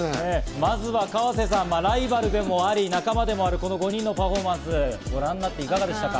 まずは河瀬さん、ライバルでもあり仲間でもあるこの５人のパフォーマンス、いかがでしたか？